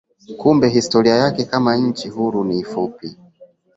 Kumbe historia yake kama nchi huru ni fupi.